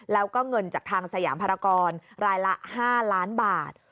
แล้วก็เงินจากทางสยามภารกรรายละ๕ล้านบาท